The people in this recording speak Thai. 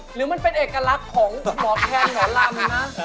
หรือมันเป็นเอกลักษณ์ของหมอแคนหมอลำนะ